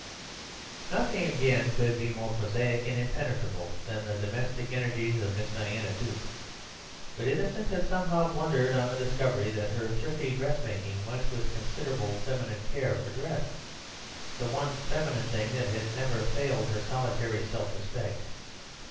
Nothing, again, could be more prosaic and impenetrable than the domestic energies of Miss Diana Duke. But Innocent had somehow blundered on the discovery that her thrifty dressmaking went with a considerable feminine care for dress—the one feminine thing that had never failed her solitary self respect.